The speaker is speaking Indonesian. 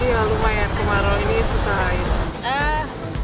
iya lumayan kemarau ini susah ini